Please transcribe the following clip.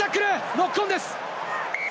ノックオンです！